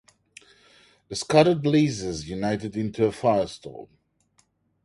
The scattered blazes united into a firestorm.